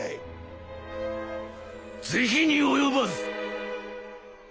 是非に及ばず。